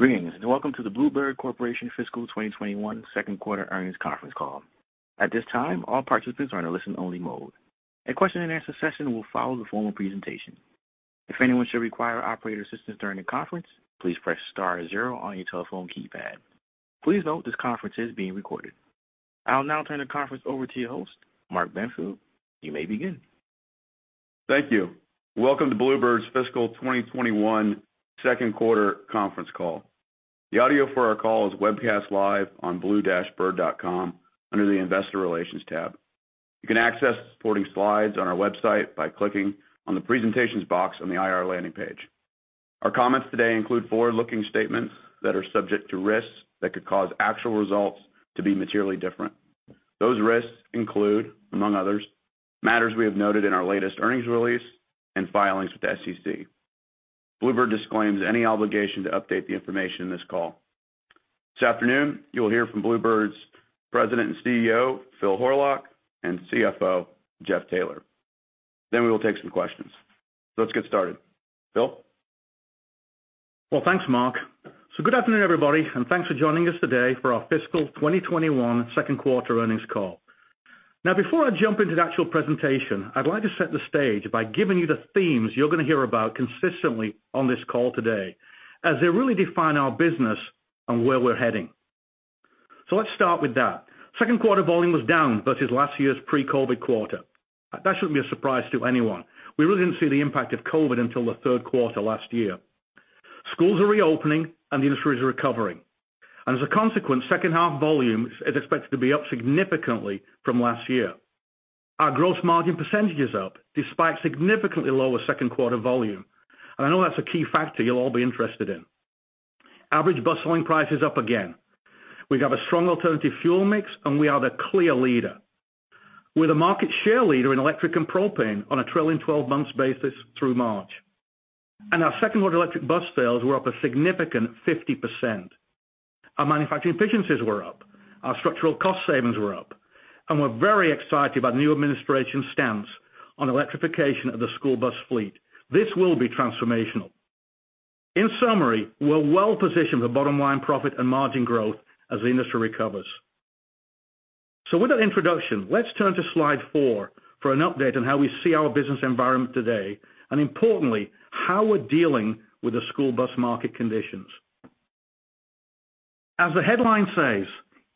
Greetings, welcome to the Blue Bird Corporation fiscal 2021 second quarter earnings conference call. At this time, all participants are in a listen only mode. A question and answer session will follow the formal presentation. If anyone should require operator assistance during the conference, please press star zero on your telephone keypad. Please note this conference is being recorded. I'll now turn the conference over to your host, Mark Benfield. You may begin. Thank you. Welcome to Blue Bird's fiscal 2021 second quarter conference call. The audio for our call is webcast live on blue-bird.com under the investor relations tab. You can access supporting slides on our website by clicking on the presentations box on the IR landing page. Our comments today include forward-looking statements that are subject to risks that could cause actual results to be materially different. Those risks include, among others, matters we have noted in our latest earnings release and filings with the SEC. Blue Bird disclaims any obligation to update the information in this call. This afternoon, you'll hear from Blue Bird's President and CEO, Phil Horlock, and CFO, Jeff Taylor. We will take some questions. Let's get started. Phil? Thanks, Mark. Good afternoon, everybody, and thanks for joining us today for our fiscal 2021 second quarter earnings call. Before I jump into the actual presentation, I'd like to set the stage by giving you the themes you're going to hear about consistently on this call today, as they really define our business and where we're heading. Let's start with that. Second quarter volume was down versus last year's pre-COVID quarter. That shouldn't be a surprise to anyone. We really didn't see the impact of COVID until the third quarter last year. Schools are reopening and the industry is recovering. As a consequence, second half volume is expected to be up significantly from last year. Our gross margin percentage is up despite significantly lower second quarter volume. I know that's a key factor you'll all be interested in. Average bus selling price is up again. We have a strong alternative fuel mix, and we are the clear leader. We're the market share leader in electric and propane on a trailing 12 months basis through March. Our second quarter electric bus sales were up a significant 50%. Our manufacturing efficiencies were up, our structural cost savings were up, and we're very excited about the new administration's stance on electrification of the school bus fleet. This will be transformational. In summary, we're well positioned for bottom line profit and margin growth as the industry recovers. With that introduction, let's turn to Slide 4 for an update on how we see our business environment today, and importantly, how we're dealing with the school bus market conditions. As the headline says,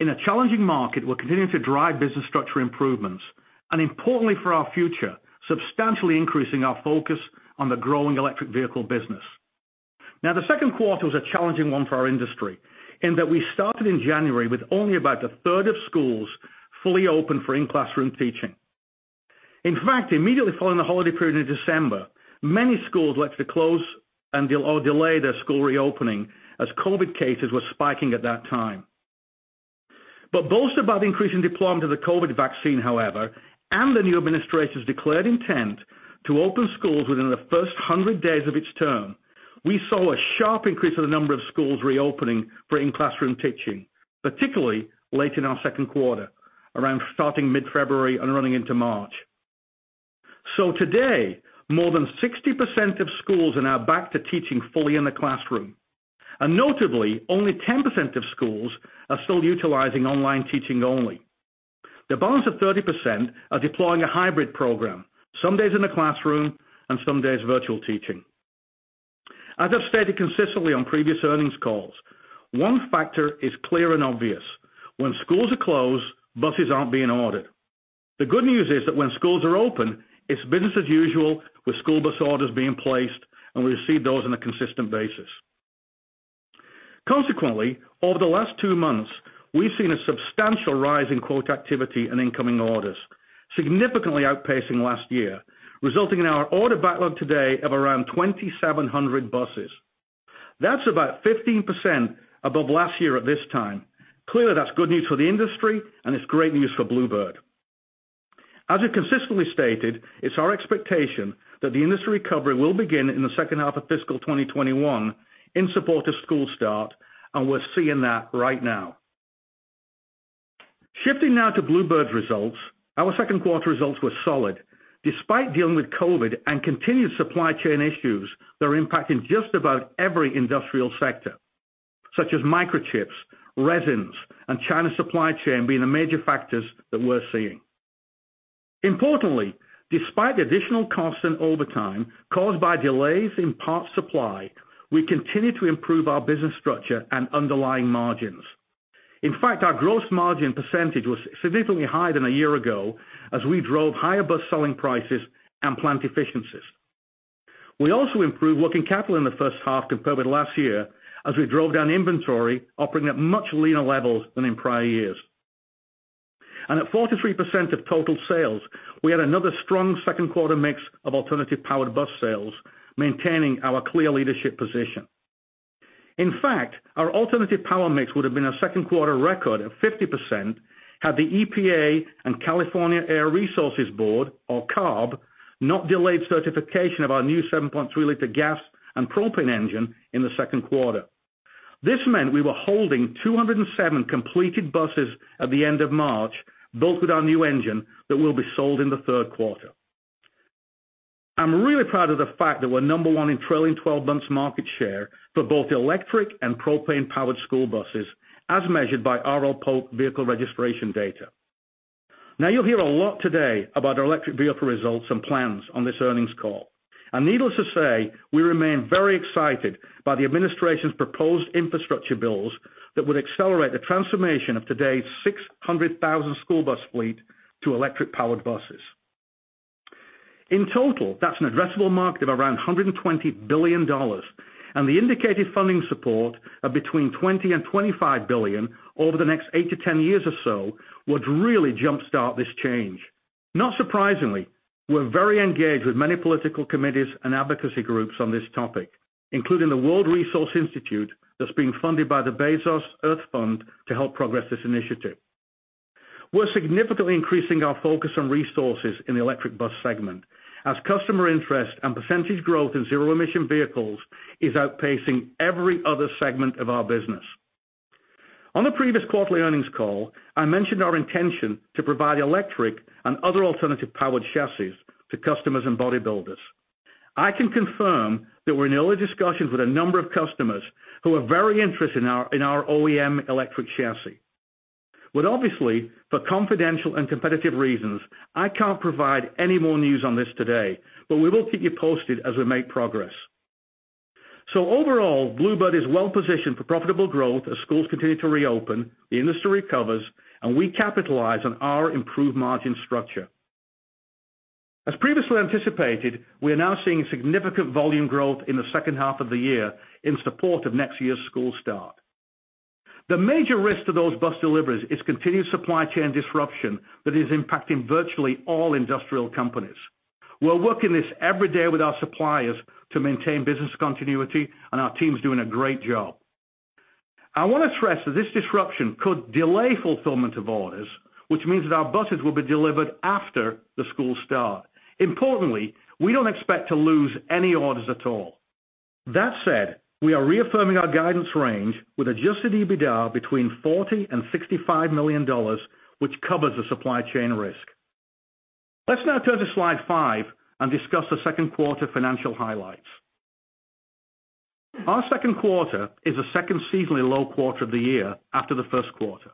in a challenging market, we're continuing to drive business structure improvements, and importantly for our future, substantially increasing our focus on the growing electric vehicle business. The second quarter was a challenging one for our industry in that we started in January with only about a third of schools fully open for in-classroom teaching. In fact, immediately following the holiday period in December, many schools elected to close or delay their school reopening as COVID cases were spiking at that time. Bolstered by the increasing deployment of the COVID vaccine, however, and the new administration's declared intent to open schools within the first 100 days of its term, we saw a sharp increase in the number of schools reopening for in-classroom teaching, particularly late in our second quarter, around starting mid-February and running into March. Today, more than 60% of schools are now back to teaching fully in the classroom. Notably, only 10% of schools are still utilizing online teaching only. The balance of 30% are deploying a hybrid program, some days in the classroom and some days virtual teaching. As I've stated consistently on previous earnings calls, one factor is clear and obvious. When schools are closed, buses aren't being ordered. The good news is that when schools are open, it's business as usual with school bus orders being placed, and we receive those on a consistent basis. Consequently, over the last two months, we've seen a substantial rise in quote activity and incoming orders, significantly outpacing last year, resulting in our order backlog today of around 2,700 buses. That's about 15% above last year at this time. Clearly, that's good news for the industry and it's great news for Blue Bird. As we've consistently stated, it's our expectation that the industry recovery will begin in the second half of fiscal 2021 in support of school start, and we're seeing that right now. Shifting now to Blue Bird's results, our second quarter results were solid despite dealing with COVID and continued supply chain issues that are impacting just about every industrial sector, such as microchips, resins, and China's supply chain being the major factors that we're seeing. Importantly, despite the additional cost and overtime caused by delays in parts supply, we continue to improve our business structure and underlying margins. In fact, our gross margin percentage was significantly higher than a year ago as we drove higher bus selling prices and plant efficiencies. We also improved working capital in the first half compared with last year as we drove down inventory, operating at much leaner levels than in prior years. At 43% of total sales, we had another strong second quarter mix of alternative powered bus sales, maintaining our clear leadership position. In fact, our alternative power mix would have been a second quarter record of 50% had the EPA and California Air Resources Board, or CARB, not delayed certification of our new 7.3-liter gas and propane engine in the second quarter. This meant we were holding 207 completed buses at the end of March, built with our new engine that will be sold in the third quarter. I'm really proud of the fact that we're number one in trailing 12 months market share for both electric and propane-powered school buses as measured by R. L. Polk vehicle registration data. You'll hear a lot today about our electric vehicle results and plans on this earnings call. Needless to say, we remain very excited by the administration's proposed infrastructure bills that would accelerate the transformation of today's 600,000 school bus fleet to electric-powered buses. In total, that's an addressable market of around $120 billion and the indicated funding support of between $20 billion and $25 billion over the next eight to 10 years or so would really jumpstart this change. Not surprisingly, we're very engaged with many political committees and advocacy groups on this topic, including the World Resources Institute, that's being funded by the Bezos Earth Fund to help progress this initiative. We're significantly increasing our focus on resources in the electric bus segment as customer interest and percentage growth in zero-emission vehicles is outpacing every other segment of our business. On the previous quarterly earnings call, I mentioned our intention to provide electric and other alternative-powered chassis to customers and body builders. I can confirm that we're in early discussions with a number of customers who are very interested in our OEM electric chassis. Obviously, for confidential and competitive reasons, I can't provide any more news on this today, but we will keep you posted as we make progress. Overall, Blue Bird is well-positioned for profitable growth as schools continue to reopen, the industry recovers, and we capitalize on our improved margin structure. As previously anticipated, we are now seeing significant volume growth in the second half of the year in support of next year's school start. The major risk to those bus deliveries is continued supply chain disruption that is impacting virtually all industrial companies. We're working this every day with our suppliers to maintain business continuity and our team's doing a great job. I want to stress that this disruption could delay fulfillment of orders, which means that our buses will be delivered after the school start. Importantly, we don't expect to lose any orders at all. That said, we are reaffirming our guidance range with adjusted EBITDA between $40 million and $65 million, which covers the supply chain risk. Let's now turn to Slide 5 and discuss the second quarter financial highlights. Our second quarter is the second seasonally low quarter of the year after the first quarter.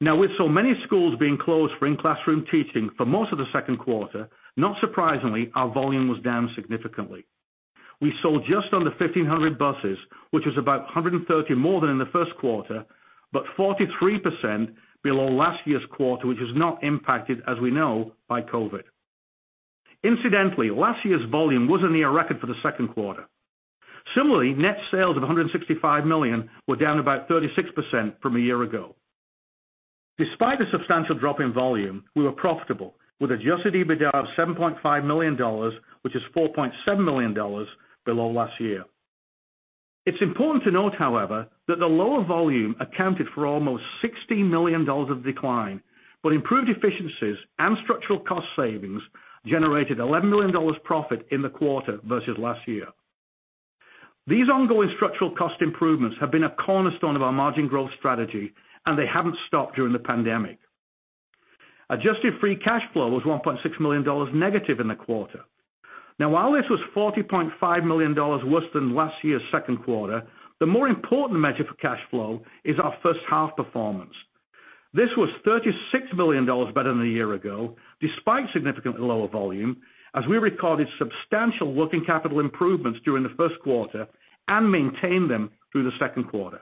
With so many schools being closed for in-classroom teaching for most of the second quarter, not surprisingly, our volume was down significantly. We sold just under 1,500 buses, which is about 130 more than in the first quarter, but 43% below last year's quarter which was not impacted, as we know, by COVID. Incidentally, last year's volume was a near record for the second quarter. Similarly, net sales of $165 million were down about 36% from a year ago. Despite the substantial drop in volume, we were profitable with adjusted EBITDA of $7.5 million, which is $4.7 million below last year. It's important to note, however, that the lower volume accounted for almost $16 million of decline. Improved efficiencies and structural cost savings generated $11 million profit in the quarter versus last year. These ongoing structural cost improvements have been a cornerstone of our margin growth strategy. They haven't stopped during the pandemic. Adjusted free cash flow was $1.6 million negative in the quarter. While this was $40.5 million worse than last year's second quarter, the more important measure for cash flow is our first half performance. This was $36 million better than a year ago, despite significantly lower volume, as we recorded substantial working capital improvements during the first quarter and maintained them through the second quarter.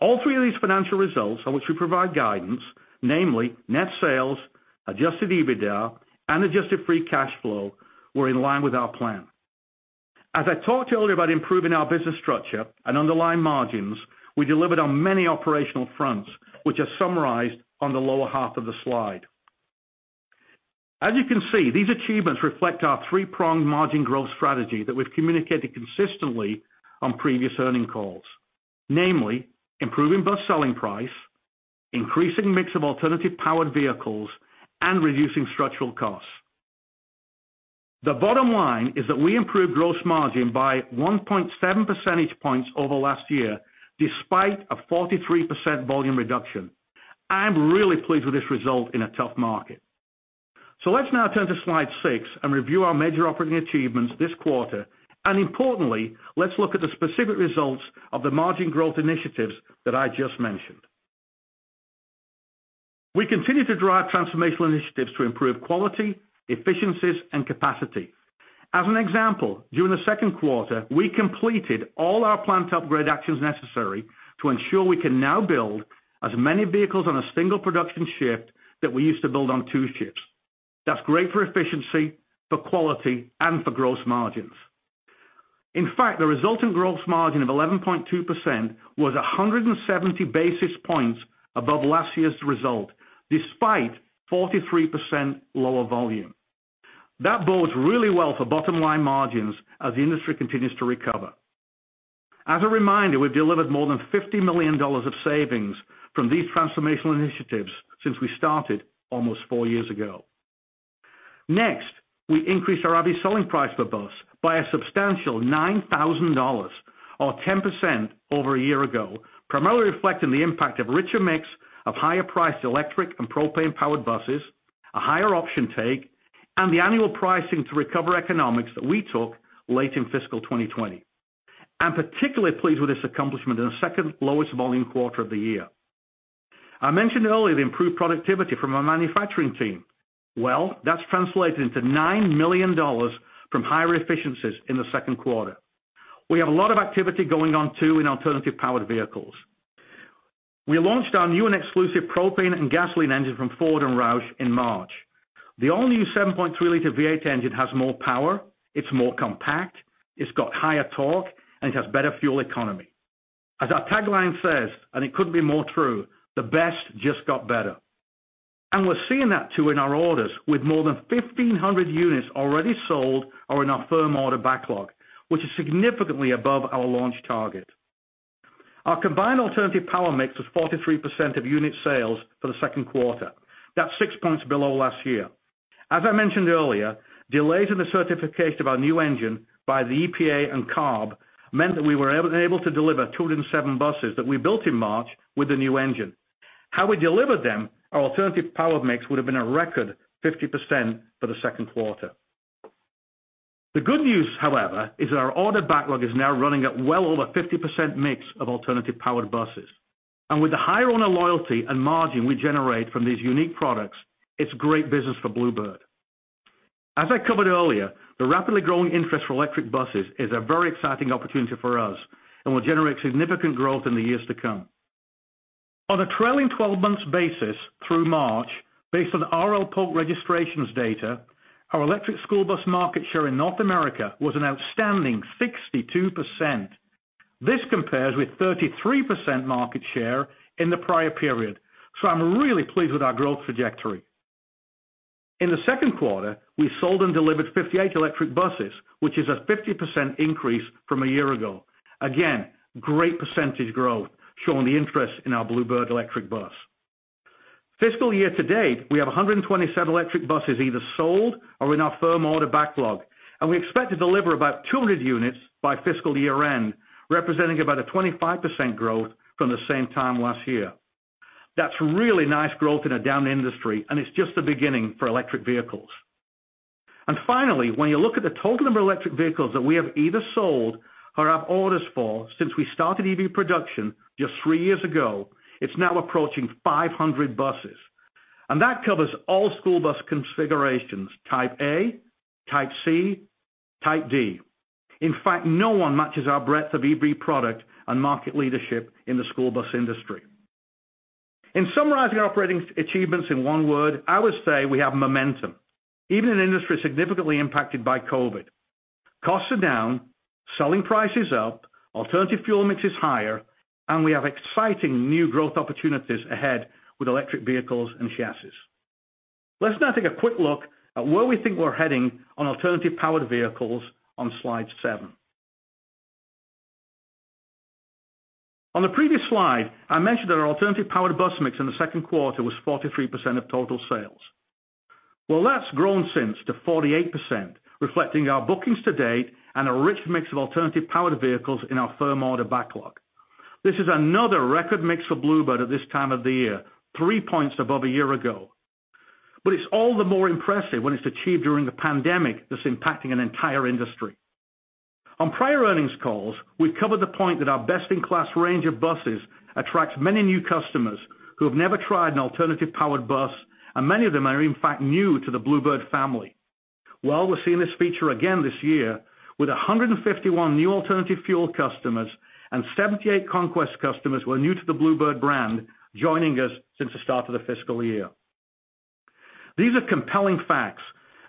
All three of these financial results on which we provide guidance, namely net sales, adjusted EBITDA, and adjusted free cash flow, were in line with our plan. As I talked earlier about improving our business structure and underlying margins, we delivered on many operational fronts, which are summarized on the lower half of the slide. As you can see, these achievements reflect our three-pronged margin growth strategy that we've communicated consistently on previous earning calls. Namely, improving bus selling price, increasing mix of alternative-powered vehicles, and reducing structural costs. The bottom line is that we improved gross margin by 1.7 percentage points over last year despite a 43% volume reduction. I am really pleased with this result in a tough market. Let's now turn to Slide 6 and review our major operating achievements this quarter, and importantly, let's look at the specific results of the margin growth initiatives that I just mentioned. We continue to drive transformational initiatives to improve quality, efficiencies, and capacity. As an example, during the second quarter, we completed all our plant upgrade actions necessary to ensure we can now build as many vehicles on a single production shift that we used to build on two shifts. That's great for efficiency, for quality, and for gross margins. In fact, the resulting gross margin of 11.2% was 170 basis points above last year's result, despite 43% lower volume. That bodes really well for bottom-line margins as the industry continues to recover. As a reminder, we've delivered more than $50 million of savings from these transformational initiatives since we started almost four years ago. We increased our average selling price per bus by a substantial $9,000 or 10% over a year ago, primarily reflecting the impact of richer mix of higher priced electric and propane-powered buses, a higher option take, and the annual pricing to recover economics that we took late in fiscal 2020. I'm particularly pleased with this accomplishment in the second lowest volume quarter of the year. I mentioned earlier the improved productivity from our manufacturing team. That's translated into $9 million from higher efficiencies in the second quarter. We have a lot of activity going on too in alternative powered vehicles. We launched our new and exclusive propane and gasoline engine from Ford and Roush in March. The all-new 7.3-liter V8 engine has more power, it's more compact, it's got higher torque, and it has better fuel economy. As our tagline says, and it couldn't be more true, "The best just got better." We're seeing that too in our orders with more than 1,500 units already sold or in our firm order backlog, which is significantly above our launch target. Our combined alternative power mix was 43% of unit sales for the second quarter. That's six points below last year. As I mentioned earlier, delays in the certification of our new engine by the EPA and CARB meant that we weren't able to deliver 207 buses that we built in March with the new engine. Had we delivered them, our alternative power mix would've been a record 50% for the second quarter. The good news, however, is that our order backlog is now running at well over 50% mix of alternative-powered buses. With the higher owner loyalty and margin we generate from these unique products, it's great business for Blue Bird. As I covered earlier, the rapidly growing interest for electric buses is a very exciting opportunity for us and will generate significant growth in the years to come. On a trailing 12 months basis through March, based on R. L. Polk registrations data, our electric school bus market share in North America was an outstanding 62%. This compares with 33% market share in the prior period. I'm really pleased with our growth trajectory. In the second quarter, we sold and delivered 58 electric buses, which is a 50% increase from a year ago. Again, great percentage growth showing the interest in our Blue Bird electric bus. Fiscal year-to-date, we have 127 electric buses either sold or in our firm order backlog. We expect to deliver about 200 units by fiscal year-end, representing about a 25% growth from the same time last year. That's really nice growth in a down industry, and it's just the beginning for electric vehicles. Finally, when you look at the total number of electric vehicles that we have either sold or have orders for since we started EV production just three years ago, it's now approaching 500 buses. That covers all school bus configurations, Type A, Type C, Type D. In fact, no one matches our breadth of EV product and market leadership in the school bus industry. In summarizing our operating achievements in one word, I would say we have momentum, even in an industry significantly impacted by COVID. Costs are down, selling price is up, alternative fuel mix is higher, and we have exciting new growth opportunities ahead with electric vehicles and chassis. Let's now take a quick look at where we think we're heading on alternative powered vehicles on Slide 7. On the previous slide, I mentioned that our alternative powered bus mix in the second quarter was 43% of total sales. Well, that's grown since to 48%, reflecting our bookings to date and a rich mix of alternative powered vehicles in our firm order backlog. This is another record mix for Blue Bird at this time of the year, three points above a year ago. It's all the more impressive when it's achieved during the pandemic that's impacting an entire industry. On prior earnings calls, we've covered the point that our best-in-class range of buses attracts many new customers who have never tried an alternative powered bus, and many of them are in fact new to the Blue Bird family. Well, we're seeing this feature again this year with 151 new alternative fuel customers and 78 conquest customers who are new to the Blue Bird brand joining us since the start of the fiscal year. These are compelling facts,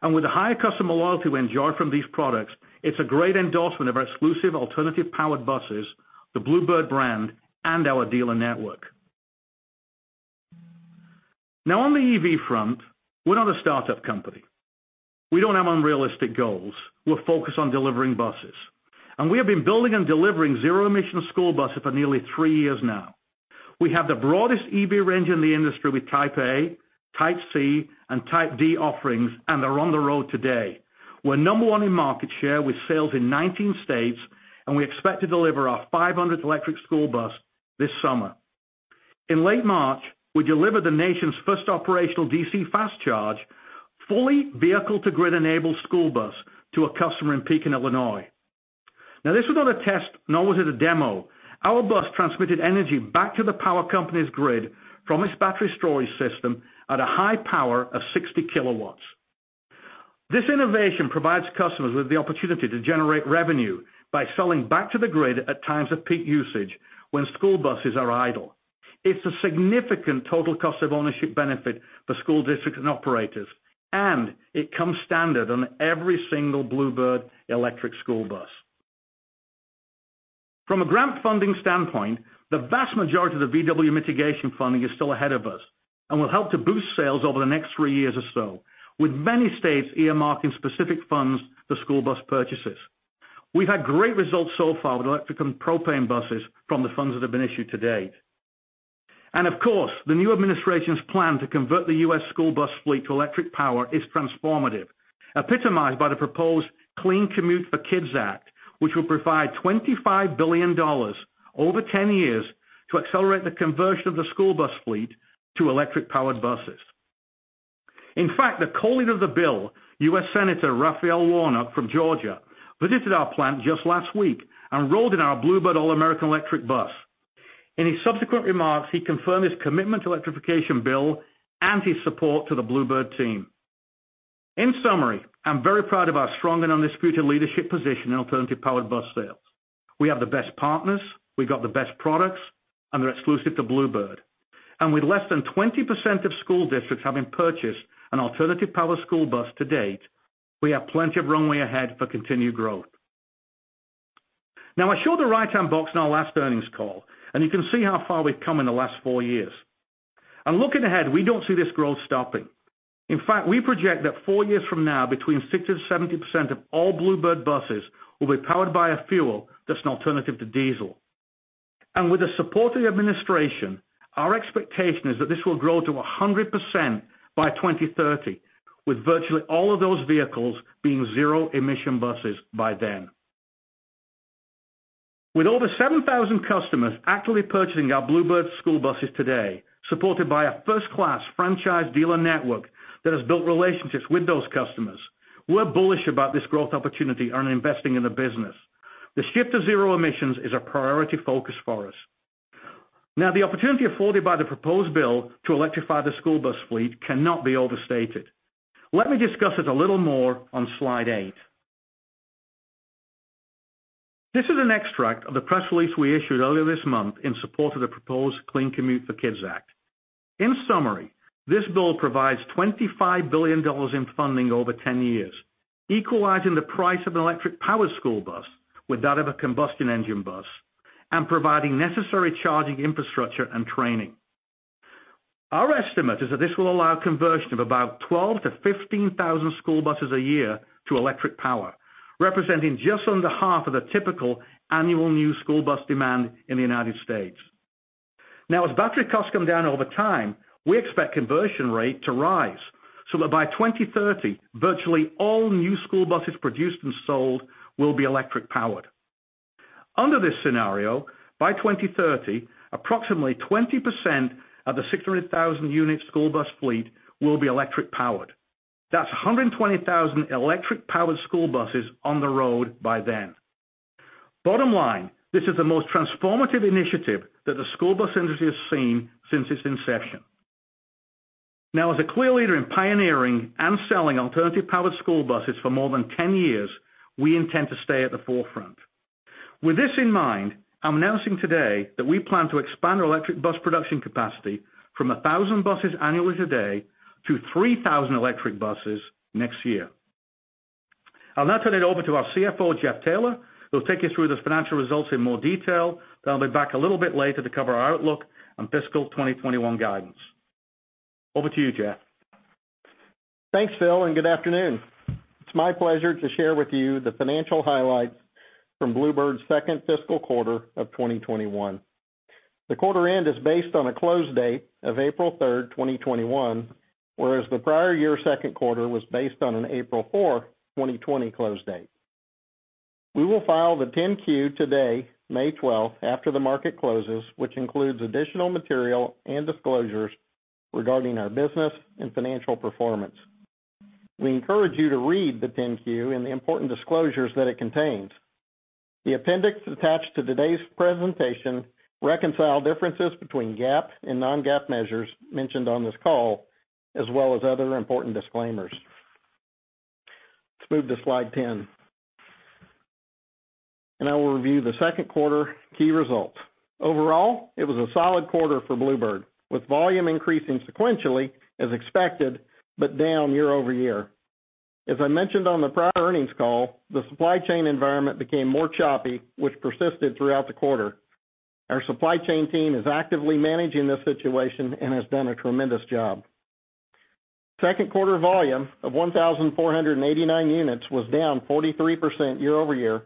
and with the high customer loyalty we enjoy from these products, it's a great endorsement of our exclusive alternative powered buses, the Blue Bird brand, and our dealer network. Now on the EV front, we're not a startup company. We don't have unrealistic goals. We're focused on delivering buses. We have been building and delivering zero-emission school buses for nearly three years now. We have the broadest EV range in the industry with Type A, Type C, and Type D offerings. They're on the road today. We're number one in market share with sales in 19 states, and we expect to deliver our 500th electric school bus this summer. In late March, we delivered the nation's first operational DC fast charge, fully vehicle-to-grid-enabled school bus to a customer in Pekin, Illinois. Now, this was not a test, nor was it a demo. Our bus transmitted energy back to the power company's grid from its battery storage system at a high power of 60 kW. This innovation provides customers with the opportunity to generate revenue by selling back to the grid at times of peak usage when school buses are idle. It's a significant total cost of ownership benefit for school districts and operators. It comes standard on every single Blue Bird electric school bus. From a grant funding standpoint, the vast majority of the VW Mitigation funding is still ahead of us and will help to boost sales over the next three years or so, with many states earmarking specific funds for school bus purchases. We've had great results so far with electric and propane buses from the funds that have been issued to date. Of course, the new administration's plan to convert the U.S. school bus fleet to electric power is transformative, epitomized by the proposed Clean Commute for Kids Act, which will provide $25 billion over 10 years to accelerate the conversion of the school bus fleet to electric-powered buses. In fact, the co-leader of the bill, U.S. Senator Raphael Warnock from Georgia, visited our plant just last week and rode in our Blue Bird All American electric bus. In his subsequent remarks, he confirmed his commitment to the electrification bill and his support to the Blue Bird team. In summary, I'm very proud of our strong and undisputed leadership position in alternative-powered bus sales. We have the best partners, we've got the best products, and they're exclusive to Blue Bird. With less than 20% of school districts having purchased an alternative-powered school bus to date, we have plenty of runway ahead for continued growth. Now, I showed the right-hand box on our last earnings call, and you can see how far we've come in the last four years. Looking ahead, we don't see this growth stopping. In fact, we project that four years from now, between 60%-70% of all Blue Bird buses will be powered by a fuel that's an alternative to diesel. With the support of the administration, our expectation is that this will grow to 100% by 2030, with virtually all of those vehicles being zero-emission buses by then. With over 7,000 customers actively purchasing our Blue Bird school buses today, supported by a first-class franchise dealer network that has built relationships with those customers, we're bullish about this growth opportunity and are investing in the business. The shift to zero emissions is a priority focus for us. The opportunity afforded by the proposed bill to electrify the school bus fleet cannot be overstated. Let me discuss it a little more on Slide 8. This is an extract of the press release we issued earlier this month in support of the proposed Clean Commute for Kids Act. In summary, this bill provides $25 billion in funding over 10 years, equalizing the price of an electric-powered school bus with that of a combustion engine bus, and providing necessary charging infrastructure and training. Our estimate is that this will allow the conversion of about 12,000-15,000 school buses a year to electric power, representing just under half of the typical annual new school bus demand in the United States. Now, as battery costs come down over time, we expect the conversion rate to rise, so that by 2030, virtually all new school buses produced and sold will be electric-powered. Under this scenario, by 2030, approximately 20% of the 600,000-unit school bus fleet will be electric-powered. That's 120,000 electric-powered school buses on the road by then. Bottom line, this is the most transformative initiative that the school bus industry has seen since its inception. Now, as a clear leader in pioneering and selling alternative-powered school buses for more than 10 years, we intend to stay at the forefront. With this in mind, I'm announcing today that we plan to expand our electric bus production capacity from 1,000 buses annually today to 3,000 electric buses next year. I'll now turn it over to our CFO, Jeff Taylor, who will take you through the financial results in more detail. I'll be back a little bit later to cover our outlook on fiscal 2021 guidance. Over to you, Jeff. Thanks, Phil. Good afternoon. It's my pleasure to share with you the financial highlights from Blue Bird's second fiscal quarter of 2021. The quarter end is based on a close date of April 3rd, 2021, whereas the prior year's second quarter was based on an April 4th, 2020, close date. We will file the 10-Q today, May 12th, after the market closes, which includes additional material and disclosures regarding our business and financial performance. We encourage you to read the 10-Q and the important disclosures that it contains. The appendix attached to today's presentation reconcile differences between GAAP and non-GAAP measures mentioned on this call, as well as other important disclaimers. Let's move to Slide 10. I will review the second quarter key results. Overall, it was a solid quarter for Blue Bird, with volume increasing sequentially as expected, but down year-over-year. As I mentioned on the prior earnings call, the supply chain environment became more choppy, which persisted throughout the quarter. Our supply chain team is actively managing this situation and has done a tremendous job. Second quarter volume of 1,489 units was down 43% year-over-year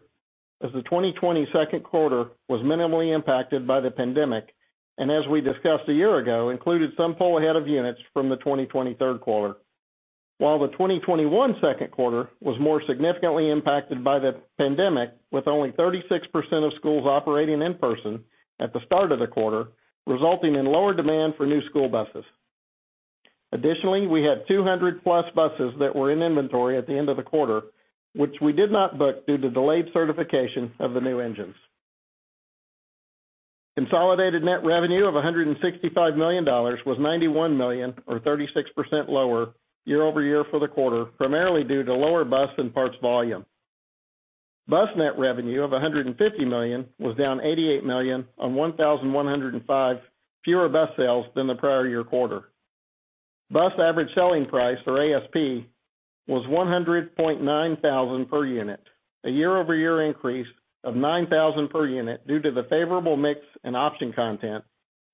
as the 2020 second quarter was minimally impacted by the pandemic and, as we discussed a year ago, included some pull-ahead of units from the 2020 third quarter. While the 2021 second quarter was more significantly impacted by the pandemic, with only 36% of schools operating in person at the start of the quarter, resulting in lower demand for new school buses. Additionally, we had 200+ buses that were in inventory at the end of the quarter, which we did not book due to delayed certification of the new engines. Consolidated net revenue of $165 million was $91 million, or 36%, lower year-over-year for the quarter, primarily due to lower bus and parts volume. Bus net revenue of $150 million was down $88 million on 1,105 fewer bus sales than the prior year quarter. Bus average selling price, or ASP, was $100,900 per unit, a year-over-year increase of $9,000 per unit due to the favorable mix and option content,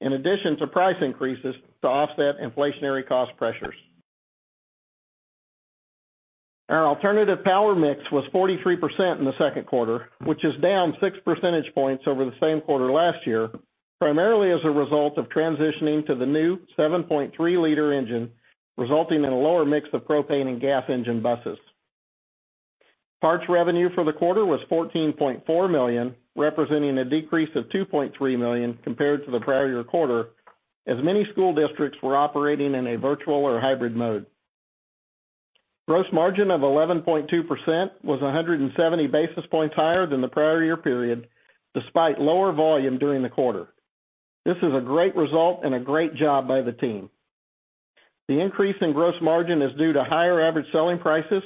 in addition to price increases to offset inflationary cost pressures. Our alternative power mix was 43% in the second quarter, which is down 6 percentage points over the same quarter last year, primarily as a result of transitioning to the new 7.3-liter engine, resulting in a lower mix of propane and gas engine buses. Parts revenue for the quarter was $14.4 million, representing a decrease of $2.3 million compared to the prior year quarter, as many school districts were operating in a virtual or hybrid mode. Gross margin of 11.2% was 170 basis points higher than the prior year period, despite lower volume during the quarter. This is a great result and a great job by the team. The increase in gross margin is due to higher average selling prices,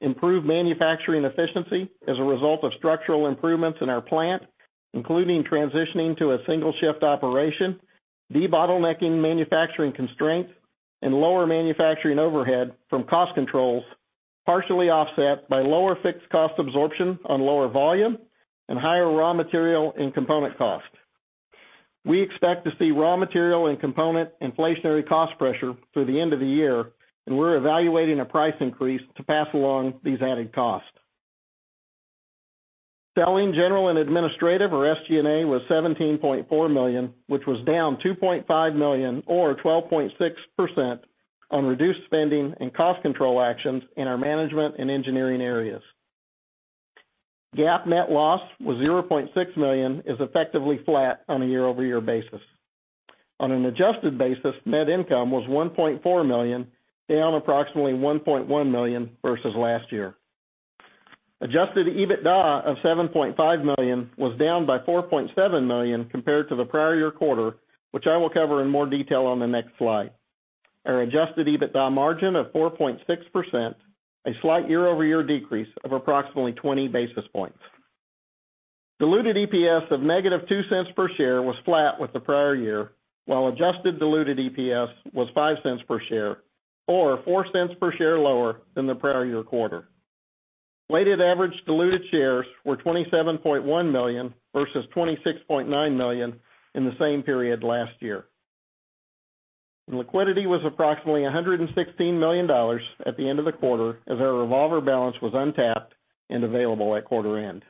improved manufacturing efficiency as a result of structural improvements in our plant, including transitioning to a single shift operation, debottlenecking manufacturing constraints, and lower manufacturing overhead from cost controls, partially offset by lower fixed cost absorption on lower volume and higher raw material and component cost. We expect to see raw material and component inflationary cost pressure through the end of the year, and we're evaluating a price increase to pass along these added costs. Selling, general, and administrative or SG&A was $17.4 million, which was down $2.5 million or 12.6% on reduced spending and cost control actions in our management and engineering areas. GAAP net loss was $0.6 million, is effectively flat on a year-over-year basis. On an adjusted basis, net income was $1.4 million, down approximately $1.1 million versus last year. Adjusted EBITDA of $7.5 million was down by $4.7 million compared to the prior year quarter, which I will cover in more detail on the next slide. Our adjusted EBITDA margin of 4.6%, a slight year-over-year decrease of approximately 20 basis points. Diluted EPS of -$0.02 per share was flat with the prior year, while adjusted diluted EPS was $0.05 per share, or $0.04 per share lower than the prior year quarter. Weighted average diluted shares were 27.1 million versus 26.9 million in the same period last year. Liquidity was approximately $116 million at the end of the quarter as our revolver balance was untapped and available at quarter end.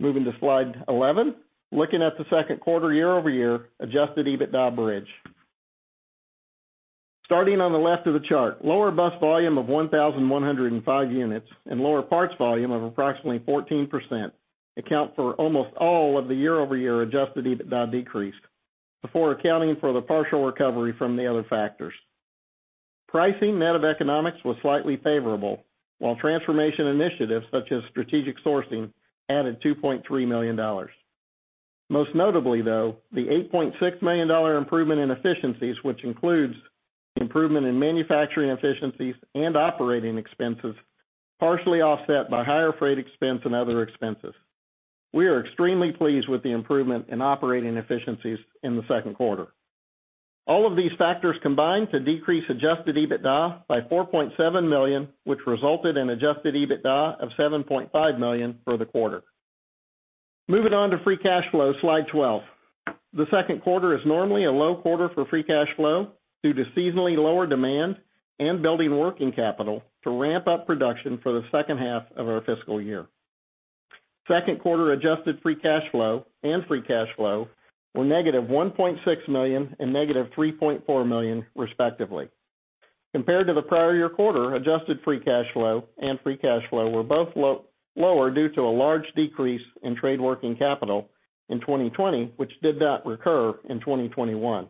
Moving to Slide 11. Looking at the second quarter year-over-year adjusted EBITDA bridge. Starting on the left of the chart, lower bus volume of 1,105 units and lower parts volume of approximately 14% account for almost all of the year-over-year adjusted EBITDA decrease before accounting for the partial recovery from the other factors. Pricing net of economics was slightly favorable, while transformation initiatives such as strategic sourcing added $2.3 million. Most notably, though, the $8.6 million improvement in efficiencies, which includes improvement in manufacturing efficiencies and operating expenses, partially offset by higher freight expense and other expenses. We are extremely pleased with the improvement in operating efficiencies in the second quarter. All of these factors combined to decrease adjusted EBITDA by $4.7 million, which resulted in adjusted EBITDA of $7.5 million for the quarter. Moving on to free cash flow, Slide 12. The second quarter is normally a low quarter for free cash flow due to seasonally lower demand and building working capital to ramp up production for the second half of our fiscal year. Second quarter adjusted free cash flow and free cash flow were -$1.6 million and -$3.4 million, respectively. Compared to the prior year quarter, adjusted free cash flow and free cash flow were both lower due to a large decrease in trade working capital in 2020, which did not recur in 2021.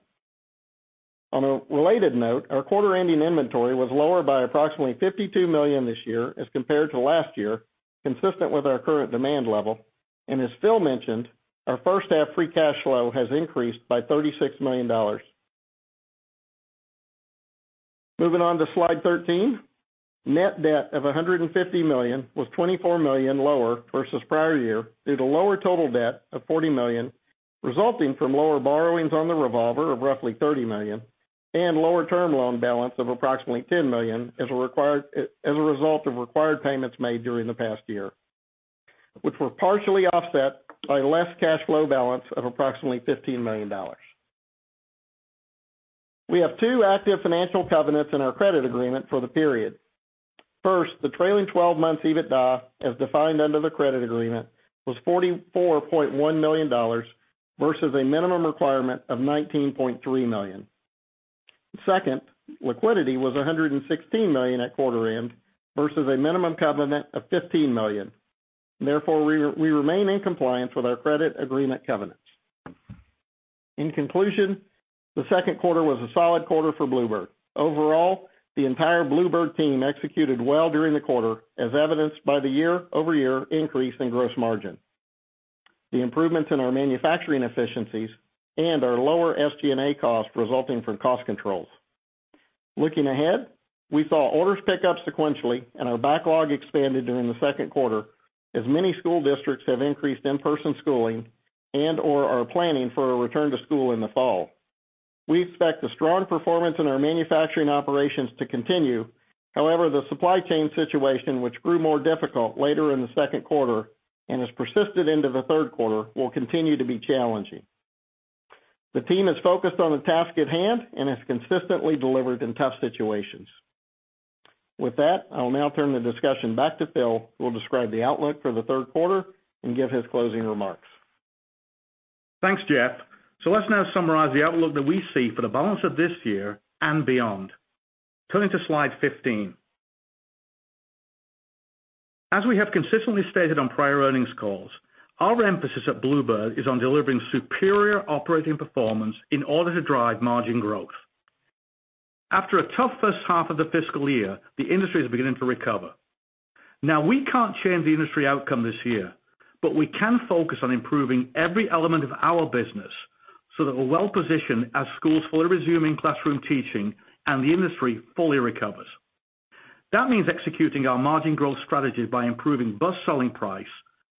On a related note, our quarter ending inventory was lower by approximately $52 million this year as compared to last year, consistent with our current demand level, and as Phil mentioned, our first half free cash flow has increased by $36 million. Moving on to Slide 13. Net debt of $150 million was $24 million lower versus prior year due to lower total debt of $40 million resulting from lower borrowings on the revolver of roughly $30 million and lower term loan balance of approximately $10 million as a result of required payments made during the past year, which were partially offset by less cash flow balance of approximately $15 million. We have two active financial covenants in our credit agreement for the period. First, the trailing 12 months EBITDA, as defined under the credit agreement, was $44.1 million versus a minimum requirement of $19.3 million. Second, liquidity was $116 million at quarter end versus a minimum covenant of $15 million. Therefore, we remain in compliance with our credit agreement covenants. In conclusion, the second quarter was a solid quarter for Blue Bird. Overall, the entire Blue Bird team executed well during the quarter, as evidenced by the year-over-year increase in gross margin, the improvements in our manufacturing efficiencies, and our lower SG&A cost resulting from cost controls. Looking ahead, we saw orders pick up sequentially and our backlog expanded during the second quarter as many school districts have increased in-person schooling and/or are planning for a return to school in the fall. We expect the strong performance in our manufacturing operations to continue. However, the supply chain situation, which grew more difficult later in the second quarter and has persisted into the third quarter, will continue to be challenging. The team is focused on the task at hand and has consistently delivered in tough situations. With that, I will now turn the discussion back to Phil, who will describe the outlook for the third quarter and give his closing remarks. Thanks, Jeff. Let's now summarize the outlook that we see for the balance of this year and beyond. Turning to Slide 15. As we have consistently stated on prior earnings calls, our emphasis at Blue Bird is on delivering superior operating performance in order to drive margin growth. After a tough first half of the fiscal year, the industry is beginning to recover. We can't change the industry outcome this year, but we can focus on improving every element of our business so that we're well-positioned as schools fully resume in-classroom teaching and the industry fully recovers. That means executing our margin growth strategy by improving bus selling price,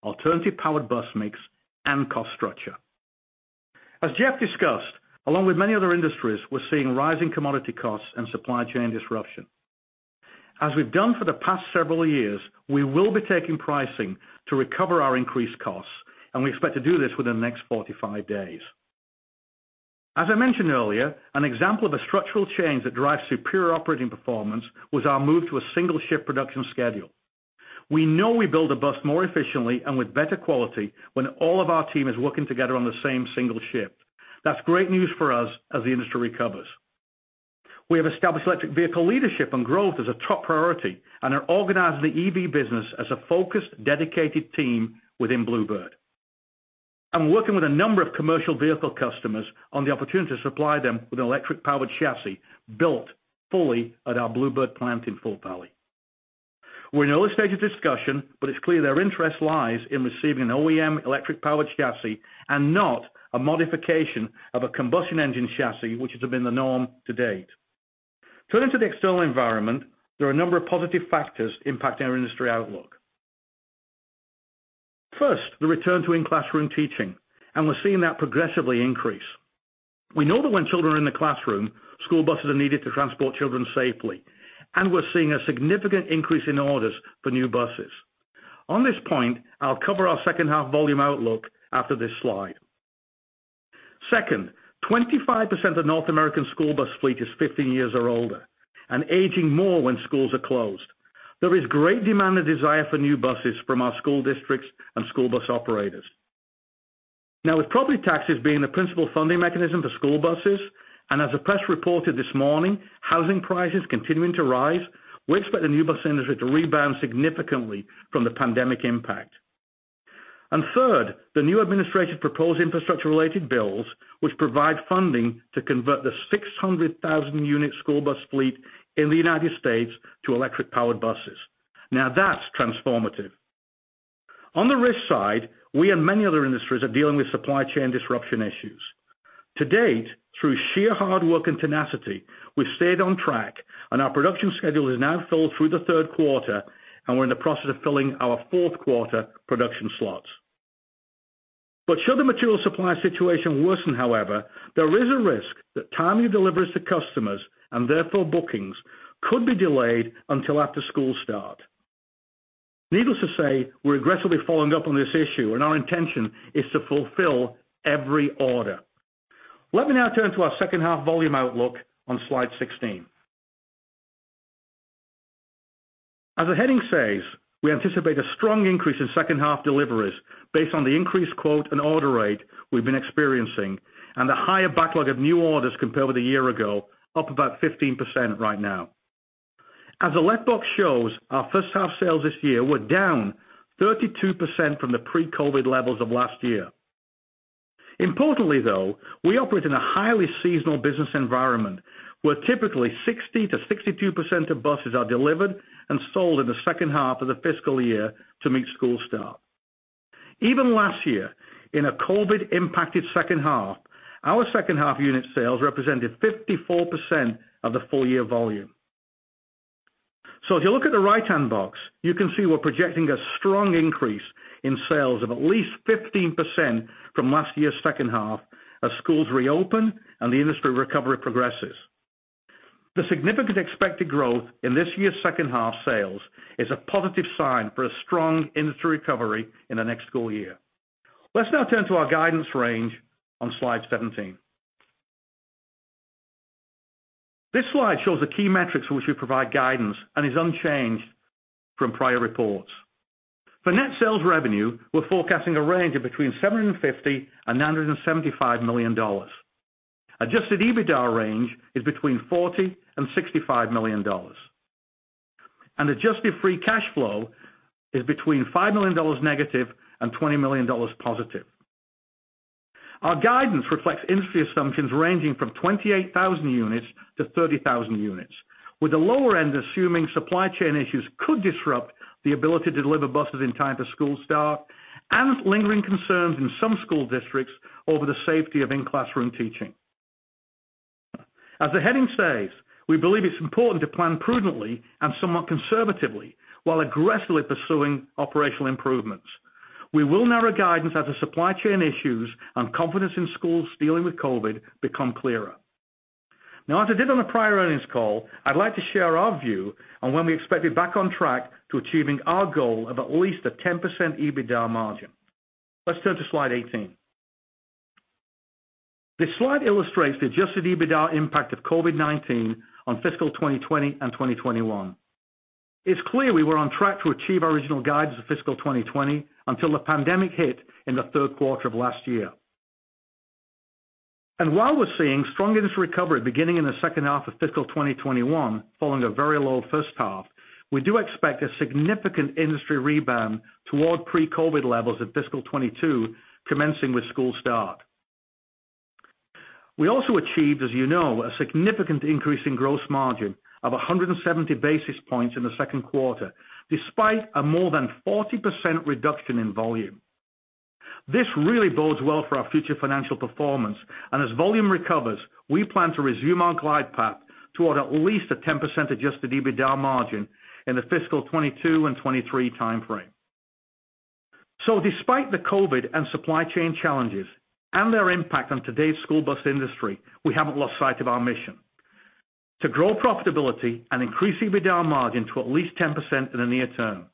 alternative-powered bus mix, and cost structure. As Jeff discussed, along with many other industries, we're seeing rising commodity costs and supply chain disruption. As we've done for the past several years, we will be taking pricing to recover our increased costs, and we expect to do this within the next 45 days. As I mentioned earlier, an example of a structural change that drives superior operating performance was our move to a single shift production schedule. We know we build a bus more efficiently and with better quality when all of our team is working together on the same single shift. That's great news for us as the industry recovers. We have established electric vehicle leadership and growth as a top priority and have organized the EV business as a focused, dedicated team within Blue Bird. I'm working with a number of commercial vehicle customers on the opportunity to supply them with an electric-powered chassis built fully at our Blue Bird plant in Fort Valley. We're in early stages of discussion, but it's clear their interest lies in receiving an OEM electric-powered chassis and not a modification of a combustion engine chassis, which has been the norm to date. Turning to the external environment, there are a number of positive factors impacting our industry outlook. First, the return to in-classroom teaching, and we're seeing that progressively increase. We know that when children are in the classroom, school buses are needed to transport children safely, and we're seeing a significant increase in orders for new buses. On this point, I'll cover our second half volume outlook after this slide. Second, 25% of the North American school bus fleet is 15 years or older and aging more when schools are closed. There is great demand and desire for new buses from our school districts and school bus operators. With property taxes being the principal funding mechanism for school buses, and as the press reported this morning, housing prices continuing to rise, we expect the new bus industry to rebound significantly from the pandemic impact. Third, the new administration proposed infrastructure-related bills, which provide funding to convert the 600,000-unit school bus fleet in the U.S. to electric-powered buses. That's transformative. On the risk side, we and many other industries are dealing with supply chain disruption issues. To date, through sheer hard work and tenacity, we've stayed on track, and our production schedule is now filled through the third quarter, and we're in the process of filling our fourth quarter production slots. Should the material supply situation worsen, however, there is a risk that timely deliveries to customers, and therefore bookings, could be delayed until after school start. Needless to say, we're aggressively following up on this issue, and our intention is to fulfill every order. Let me now turn to our second half volume outlook on Slide 16. As the heading says, we anticipate a strong increase in second half deliveries based on the increased quote and order rate we've been experiencing and the higher backlog of new orders compared with a year ago, up about 15% right now. As the left box shows, our first half sales this year were down 32% from the pre-COVID levels of last year. Importantly, though, we operate in a highly seasonal business environment, where typically 60%-62% of buses are delivered and sold in the second half of the fiscal year to meet school start. Even last year, in a COVID-impacted second half, our second half unit sales represented 54% of the full year volume. If you look at the right-hand box, you can see we're projecting a strong increase in sales of at least 15% from last year's second half as schools reopen and the industry recovery progresses. The significant expected growth in this year's second half sales is a positive sign for a strong industry recovery in the next school year. Let's now turn to our guidance range on Slide 17. This slide shows the key metrics which we provide guidance and is unchanged from prior reports. For net sales revenue, we're forecasting a range of between $750 million and $975 million. Adjusted EBITDA range is between $40 million and $65 million. Adjusted free cash flow is between -$5 million and +$20 million. Our guidance reflects industry assumptions ranging from 28,000 units to 30,000 units, with the lower end assuming supply chain issues could disrupt the ability to deliver buses in time for school start and lingering concerns in some school districts over the safety of in-classroom teaching. As the heading says, we believe it's important to plan prudently and somewhat conservatively while aggressively pursuing operational improvements. We will narrow guidance as the supply chain issues and confidence in schools dealing with COVID become clearer. As I did on the prior earnings call, I'd like to share our view on when we expect to be back on track to achieving our goal of at least a 10% EBITDA margin. Let's turn to Slide 18. This slide illustrates the adjusted EBITDA impact of COVID-19 on fiscal 2020 and 2021. It's clear we were on track to achieve our original guidance for fiscal 2020 until the pandemic hit in the third quarter of last year. While we're seeing strong industry recovery beginning in the second half of fiscal 2021, following a very low first half, we do expect a significant industry rebound toward pre-COVID levels in fiscal 2022, commencing with school start. We also achieved, as you know, a significant increase in gross margin of 170 basis points in the second quarter, despite a more than 40% reduction in volume. This really bodes well for our future financial performance, and as volume recovers, we plan to resume our glide path toward at least a 10% adjusted EBITDA margin in the fiscal 2022 and 2023 timeframe. Despite the COVID and supply chain challenges and their impact on today's school bus industry, we haven't lost sight of our mission: to grow profitability and increase EBITDA margin to at least 10% in the near-term.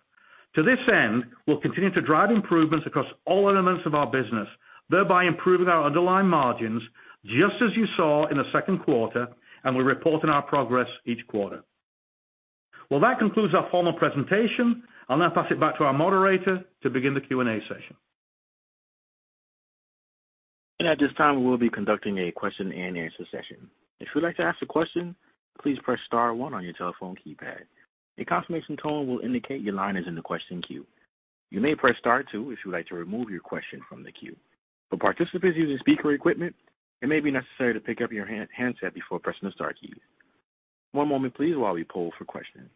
To this end, we'll continue to drive improvements across all elements of our business, thereby improving our underlying margins, just as you saw in the second quarter, and we'll report on our progress each quarter. That concludes our formal presentation. I'll now pass it back to our moderator to begin the Q&A session. At this time, we'll be conducting a question-and-answer session. If you'd like to ask a question, please press star one on your telephone keypad. A confirmation tone will indicate your line is in the question queue. You may press star two if you'd like to remove your question from the queue. For participants using speaker equipment, it may be necessary to pick up your handset before pressing the star key. One moment, please, while we poll for questions.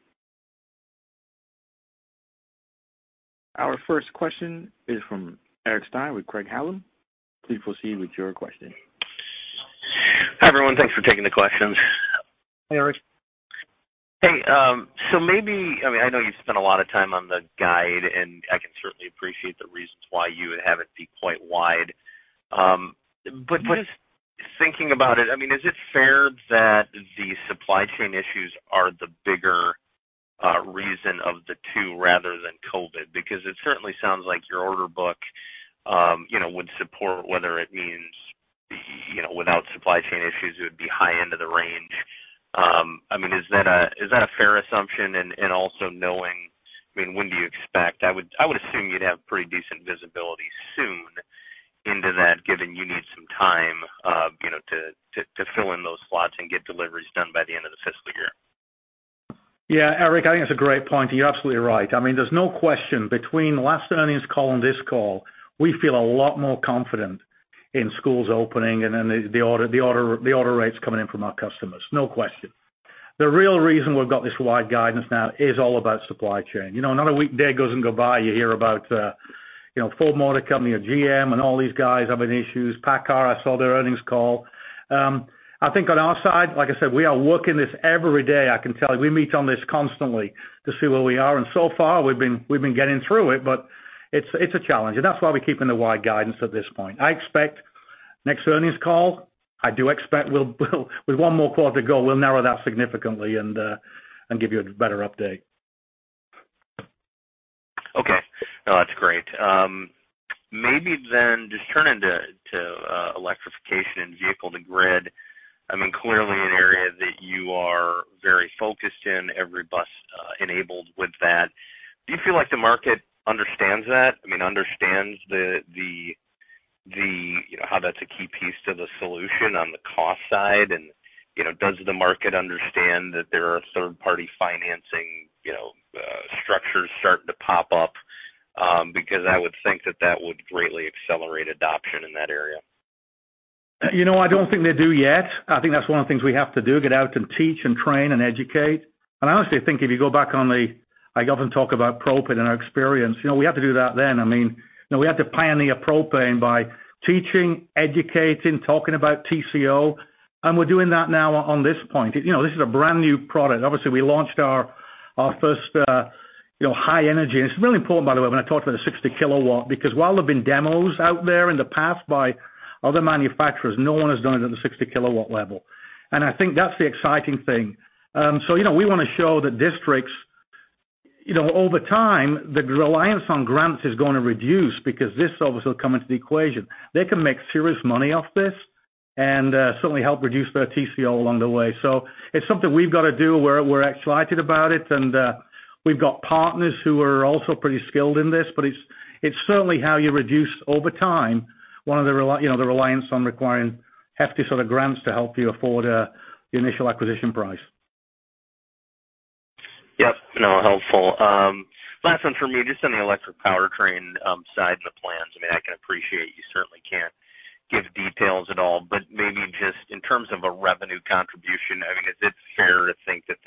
Our first question is from Eric Stein with Craig-Hallum. Please proceed with your question. Hi, everyone. Thanks for taking the questions. Hey, Eric. Hey, I know you've spent a lot of time on the guide, and I can certainly appreciate the reasons why you would have it be quite wide. Just thinking about it, is it fair that the supply chain issues are the bigger reason of the two rather than COVID? It certainly sounds like your order book would support, whether it means without supply chain issues, it would be high end of the range. Is that a fair assumption? Also knowing, when do you expect? I would assume you'd have pretty decent visibility soon into that, given you need some time to fill in those slots and get deliveries done by the end of the fiscal year. Yeah, Eric, I think that's a great point. You're absolutely right. There's no question, between the last earnings call and this call, we feel a lot more confident in schools opening and in the order rates coming in from our customers. No question. The real reason we've got this wide guidance now is all about supply chain. Not a weekday goes by, you hear about Ford Motor Company or GM and all these guys having issues. PACCAR, I saw their earnings call. I think on our side, like I said, we are working this every day. I can tell you, we meet on this constantly to see where we are. So far, we've been getting through it, but it's a challenge. That's why we're keeping the wide guidance at this point. I expect next earnings call, I do expect with one more quarter to go, we'll narrow that significantly and give you a better update. Okay. No, that's great. Maybe just turning to electrification and vehicle-to-grid. Clearly an area that you are very focused in, every bus enabled with that. Do you feel like the market understands that, understands how that's a key piece to the solution on the cost side, and does the market understand that there are third-party financing structures starting to pop up? I would think that that would greatly accelerate adoption in that area. I don't think they do yet. I think that's one of the things we have to do, get out and teach and train and educate. I honestly think if you go back on the, I often talk about propane and our experience. We had to do that then. We had to pioneer propane by teaching, educating, talking about TCO, and we're doing that now on this point. This is a brand-new product. Obviously, we launched our first high energy, and it's really important, by the way, when I talk about a 60 kW, because while there've been demos out there in the past by other manufacturers, no one has done it at the 60 kW level. I think that's the exciting thing. We want to show the districts over time, the reliance on grants is going to reduce because this obviously will come into the equation. They can make serious money off this and certainly help reduce their TCO along the way. It's something we've got to do. We're excited about it, and we've got partners who are also pretty skilled in this, but it's certainly how you reduce, over time, the reliance on requiring hefty sort of grants to help you afford the initial acquisition price. Yep. No, helpful. Last one for me, just on the electric powertrain side of the plans. I can appreciate you certainly can't give details at all, but maybe just in terms of a revenue contribution, is it fair to think that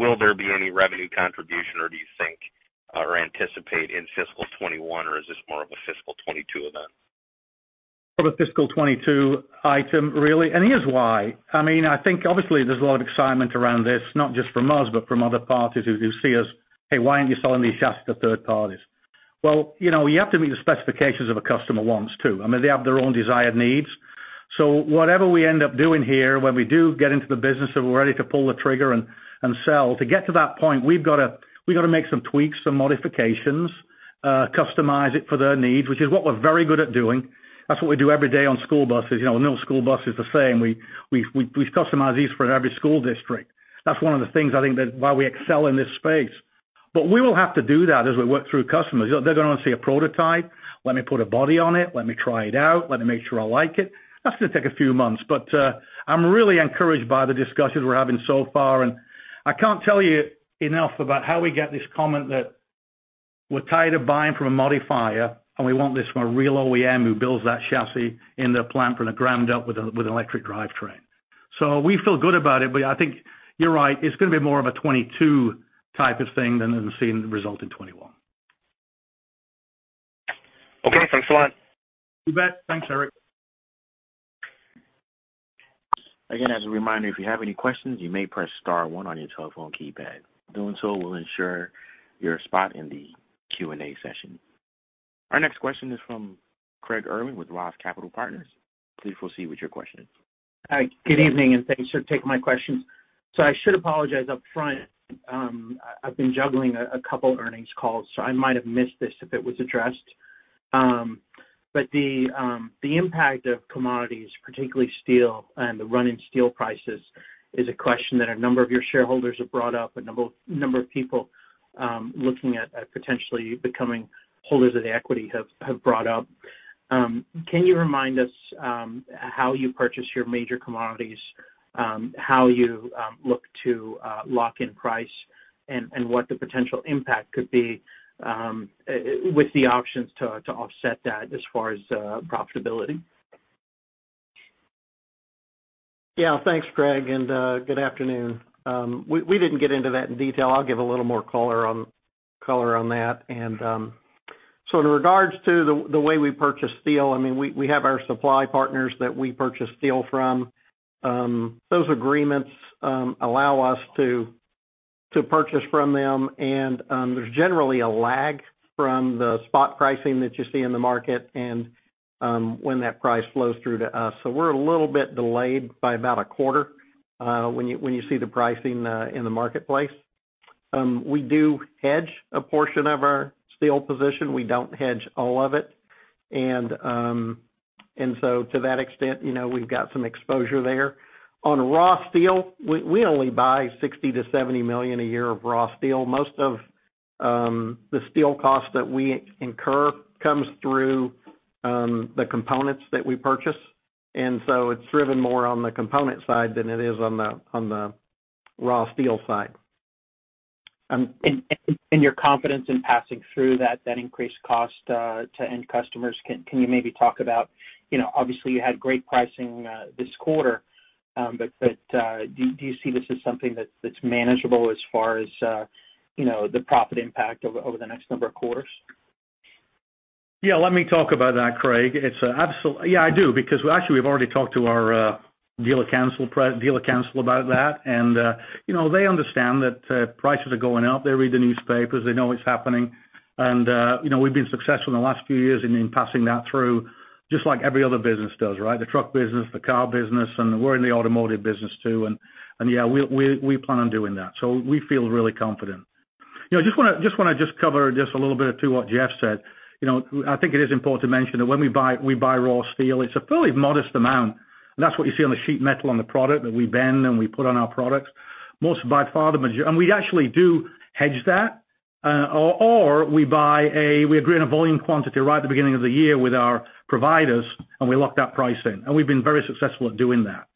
Will there be any revenue contribution, or do you think or anticipate in fiscal 2021, or is this more of a fiscal 2022 event? More of a fiscal 2022 item, really. Here's why. I think obviously there's a lot of excitement around this, not just from us, but from other parties who see us, "Hey, why aren't you selling these chassis to third parties?" Well, you have to meet the specifications of a customer wants too. I mean, they have their own desired needs. Whatever we end up doing here, when we do get into the business that we're ready to pull the trigger and sell, to get to that point, we've got to make some tweaks, some modifications, customize it for their needs, which is what we're very good at doing. That's what we do every day on school buses. No school bus is the same. We customize these for every school district. That's one of the things, I think, that why we excel in this space. We will have to do that as we work through customers. They're going to want to see a prototype. Let me put a body on it. Let me try it out. Let me make sure I like it. That's going to take a few months, but I'm really encouraged by the discussions we're having so far, and I can't tell you enough about how we get this comment that we're tired of buying from a modifier, and we want this from a real OEM who builds that chassis in their plant from the ground up with an electric drivetrain. We feel good about it, but I think you're right. It's going to be more of a 2022 type of thing than seeing the result in 2021. Okay. Thanks a lot. You bet. Thanks, Eric. Again, as a reminder, if you have any questions, you may press star one on your telephone keypad. Doing so will ensure your spot in the Q&A session. Our next question is from Craig Irwin with Roth Capital Partners. Please proceed with your question. Hi, good evening, and thanks for taking my questions. I should apologize upfront. I've been juggling a couple earnings calls, so I might have missed this if it was addressed. The impact of commodities, particularly steel and the run in steel prices, is a question that a number of your shareholders have brought up, a number of people looking at potentially becoming holders of the equity have brought up. Can you remind us how you purchase your major commodities, how you look to lock in price, and what the potential impact could be with the options to offset that as far as profitability? Thanks, Craig. Good afternoon. We didn't get into that in detail. I'll give a little more color on that. In regards to the way we purchase steel, we have our supply partners that we purchase steel from. Those agreements allow us to purchase from them. There's generally a lag from the spot pricing that you see in the market and when that price flows through to us. We're a little bit delayed by about a quarter when you see the pricing in the marketplace. We do hedge a portion of our steel position. We don't hedge all of it. To that extent, we've got some exposure there. On raw steel, we only buy $60 million-$70 million a year of raw steel. Most of the steel cost that we incur comes through the components that we purchase. It's driven more on the component side than it is on the raw steel side. Your confidence in passing through that increased cost to end customers, can you maybe talk about, obviously you had great pricing this quarter, but do you see this as something that's manageable as far as the profit impact over the next number of quarters? Yeah, let me talk about that, Craig Irwin. Yeah, I do, because actually we've already talked to our dealer council about that, and they understand that prices are going up. They read the newspapers, they know it's happening. We've been successful in the last few years in passing that through, just like every other business does, right? The truck business, the car business, and we're in the automotive business, too. Yeah, we plan on doing that. We feel really confident. I just want to cover just a little bit to what Jeff Taylor said. I think it is important to mention that when we buy raw steel, it's a fairly modest amount, and that's what you see on the sheet metal on the product that we bend and we put on our products. We actually do hedge that, or we agree on a volume quantity right at the beginning of the year with our providers, and we lock that price in, and we've been very successful at doing that.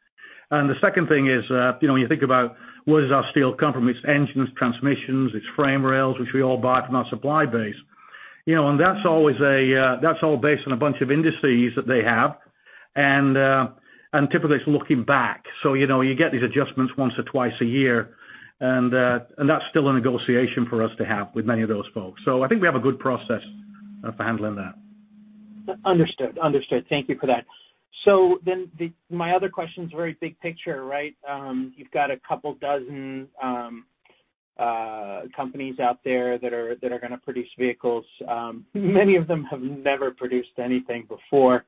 The second thing is when you think about where does our steel come from? It's engines, transmissions, it's frame rails, which we all buy from our supply base. That's all based on a bunch of indices that they have. Typically, it's looking back. You get these adjustments once or twice a year, and that's still a negotiation for us to have with many of those folks. I think we have a good process for handling that. Understood. Thank you for that. My other question is very big picture, right? You've got a couple dozen companies out there that are going to produce vehicles. Many of them have never produced anything before.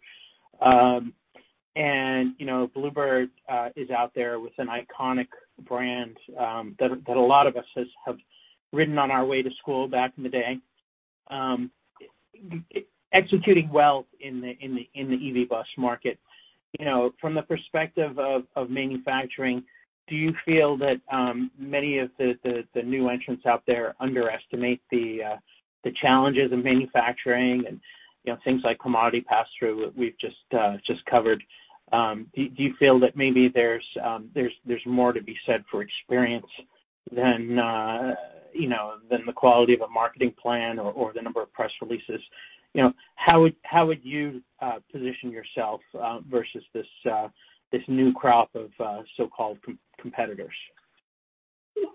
Blue Bird is out there with an iconic brand that a lot of us have ridden on our way to school back in the day, executing well in the EV bus market. From the perspective of manufacturing, do you feel that many of the new entrants out there underestimate the challenges of manufacturing and things like commodity pass-through that we've just covered? Do you feel that maybe there's more to be said for experience than the quality of a marketing plan or the number of press releases? How would you position yourself versus this new crop of so-called competitors?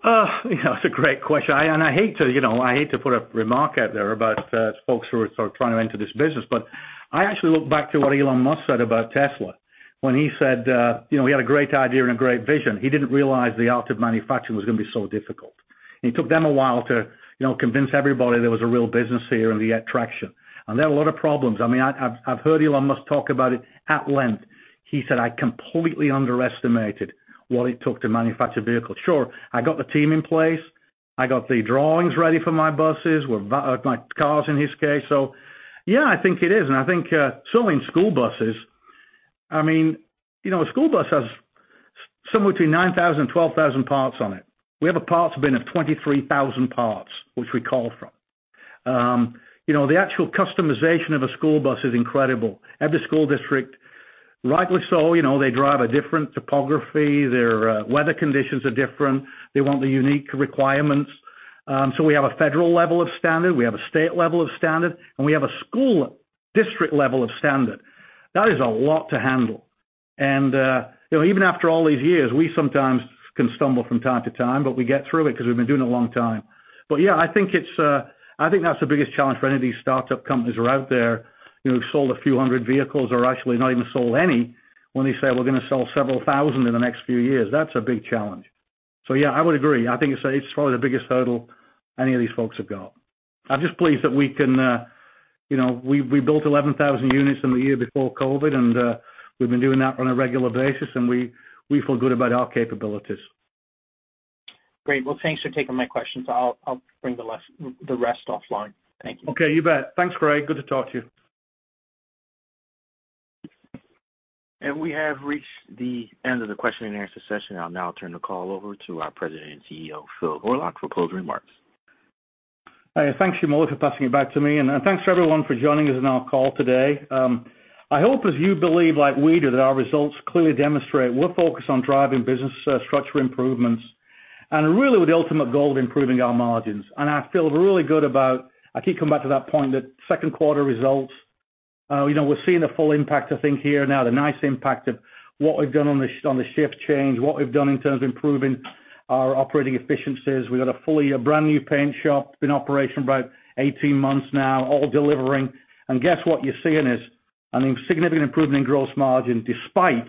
That's a great question, I hate to put a remark out there about folks who are sort of trying to enter this business, but I actually look back to what Elon Musk said about Tesla when he said he had a great idea and a great vision. He didn't realize the art of manufacturing was going to be so difficult. It took them a while to convince everybody there was a real business here and the attraction. They had a lot of problems. I've heard Elon Musk talk about it at length. He said, "I completely underestimated what it took to manufacture vehicles." Sure, I got the team in place. I got the drawings ready for my buses. Well, cars, in his case. Yeah, I think it is. I think selling school buses, a school bus has somewhere between 9,000 parts and 12,000 parts on it. We have a parts bin of 23,000 parts which we call from. The actual customization of a school bus is incredible. Every school district, rightly so, they drive a different topography, their weather conditions are different, they want the unique requirements. We have a federal level of standard, we have a state level of standard, and we have a school district level of standard. That is a lot to handle. Even after all these years, we sometimes can stumble from time to time, but we get through it because we've been doing it a long time. Yeah, I think that's the biggest challenge for any of these startup companies who are out there who've sold a few hundred vehicles or actually not even sold any when they say we're going to sell several thousand in the next few years. That's a big challenge. Yeah, I would agree. I think it's probably the biggest hurdle any of these folks have got. I'm just pleased that we built 11,000 units in the year before COVID, and we've been doing that on a regular basis, and we feel good about our capabilities. Great. Well, thanks for taking my questions. I'll bring the rest offline. Thank you. Okay, you bet. Thanks, Craig. Good to talk to you. We have reached the end of the question and answer session. I'll now turn the call over to our President and CEO, Phil Horlock, for closing remarks. Thanks, Jamal, for passing it back to me. Thanks for everyone for joining us on our call today. I hope as you believe like we do, that our results clearly demonstrate we're focused on driving business structure improvements and really with the ultimate goal of improving our margins. I feel really good about, I keep coming back to that point, that second quarter results. We're seeing the full impact, I think here now, the nice impact of what we've done on the shift change, what we've done in terms of improving our operating efficiencies. We've got a fully brand new paint shop, been in operation about 18 months now, all delivering. Guess what you're seeing is, I mean, significant improvement in gross margin despite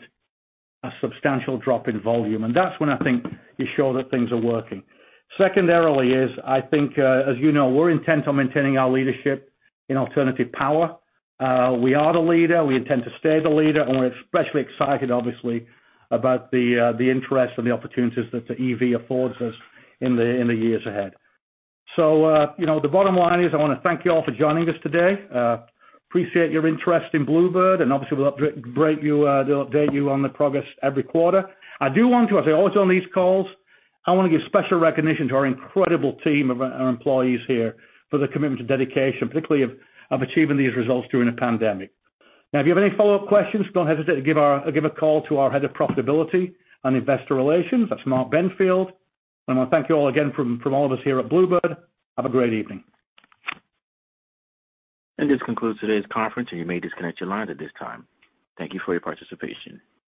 a substantial drop in volume. That's when I think you show that things are working. Secondarily is, I think, as you know, we're intent on maintaining our leadership in alternative power. We are the leader, we intend to stay the leader, and we're especially excited, obviously, about the interest and the opportunities that the EV affords us in the years ahead. The bottom line is I want to thank you all for joining us today. Appreciate your interest in Blue Bird, and obviously we'll update you on the progress every quarter. I do want to, as I always on these calls, I want to give special recognition to our incredible team of our employees here for their commitment to dedication, particularly of achieving these results during a pandemic. If you have any follow-up questions, don't hesitate to give a call to our Head of Profitability and Investor Relations. That's Mark Benfield. I thank you all again from all of us here at Blue Bird. Have a great evening. This concludes today's conference, and you may disconnect your lines at this time. Thank you for your participation.